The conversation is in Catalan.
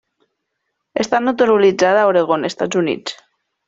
Està naturalitzada a Oregon, Estats Units.